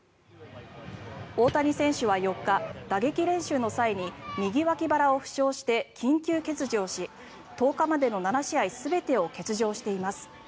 大谷選手は４日、打撃練習の際に右脇腹を負傷して緊急欠場し１０日までの７試合全てを欠場しています。